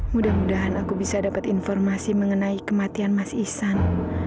mudah mudahan aku bisa dapat informasi mengenai kematian mas ihsan